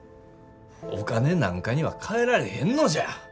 お金なんかにはかえられへんのじゃ。